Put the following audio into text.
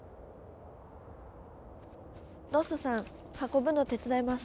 ロッソさん運ぶの手伝います。